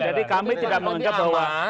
jadi kami tidak menganggap bahwa